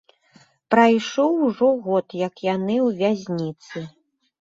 Прайшоў ужо год, як яны ў вязніцы.